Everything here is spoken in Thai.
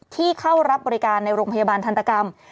เข้ารับบริการในโรงพยาบาลทันตกรรม